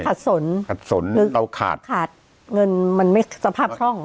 สนขัดสนเอาขาดขาดเงินมันไม่สภาพคล่อง